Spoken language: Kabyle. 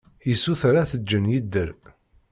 Yessuter ad t-ǧǧen yedder.